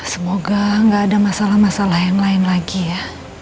semoga nggak ada masalah masalah yang lain lagi ya